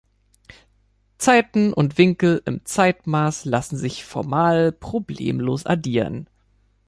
Zeiten und Winkel im Zeitmaß lassen sich formal problemlos addieren.